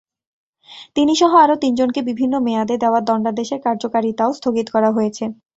তিনিসহ আরও তিনজনকে বিভিন্ন মেয়াদে দেওয়া দণ্ডাদেশের কার্যকারিতাও স্থগিত করা হয়েছে।